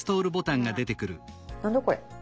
何だこれ？